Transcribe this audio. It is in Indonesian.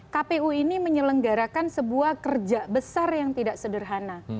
kpu ini menyelenggarakan sebuah kerja besar yang tidak sederhana